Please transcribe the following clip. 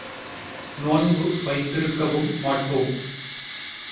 நோன்பு வைத்திருக்கவும் மாட்டோம்.